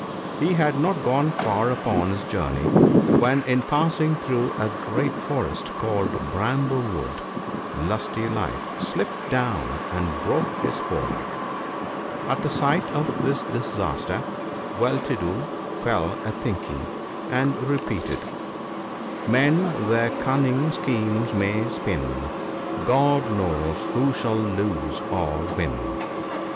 He had not gone far upon his journey when in passing through a great forest called Bramble wood, Lusty life slipped down and broke his foreleg. At sight of this disaster Well to do fell a thinking, and repeated, —" Men their cunning schemes may spin — God knows who shall lose or win."